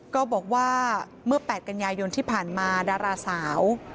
ก็บอกว่าเมื่อ๘กันยายนที่ผ่านมาดาราสาว